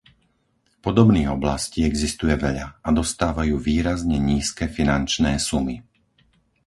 Podobných oblastí existuje veľa a dostávajú výrazne nízke finančné sumy.